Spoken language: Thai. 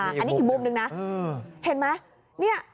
อันนี้อีกมุมนึงนะเห็นไหม